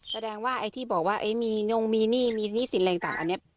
แสดงว่าไอ้ที่บอกว่ามีนงมีหนี้มีหนี้สินอะไรต่างอันนี้